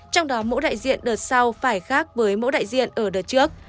trong đó mẫu đại diện đợt sau phải khác với mẫu đại diện ở đợt trước